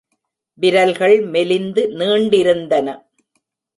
விரல்கள் மெலிந்து நீண்டிருந்தன.